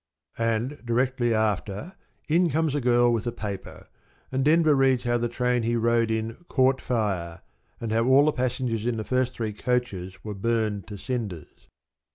And, directly after, in comes a girl with a paper, and Denver reads how the train he rode in caught fire, and how all the passengers in the first three coaches were burnt to cinders.